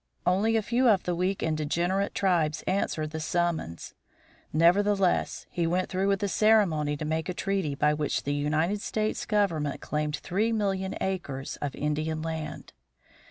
Only a few of the weak and degenerate tribes answered the summons. Nevertheless, he went through the ceremony of making a treaty by which the United States government claimed three million acres of Indian land.